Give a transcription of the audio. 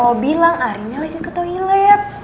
lo bilang arimnya lagi ke toilet